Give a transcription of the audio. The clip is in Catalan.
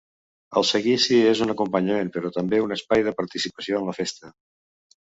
El Seguici és un acompanyament però també un espai de participació en la festa.